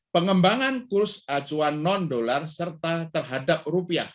pengembangan kurs acuan non dolar serta terhadap rupiah